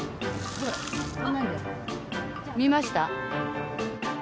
見ました？